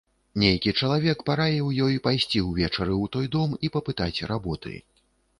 Нейкі чалавек параіў ёй пайсці ўвечары ў той дом і папытаць работы.